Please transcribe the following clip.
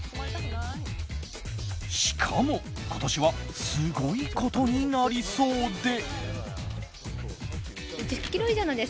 しかも、今年はすごいことになりそうで。